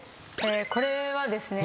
これはですね